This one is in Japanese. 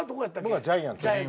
僕はジャイアンツです。